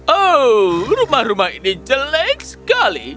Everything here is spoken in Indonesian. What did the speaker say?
oh rumah rumah ini jelek sekali